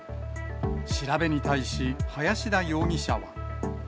調べに対し、林田容疑者は。